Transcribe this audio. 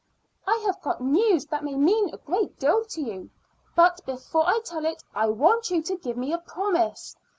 "I have got news that may mean a great deal to you, but before I tell it I want you to give me a promise.